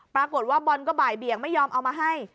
ปรากฏว่าบอลก็บ่ายเบียงไม่ยอมเอามาให้